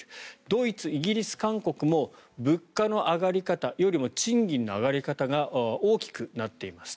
ドイツ、イギリス、韓国も物価の上がり方よりも賃金の上がり方が大きくなっています。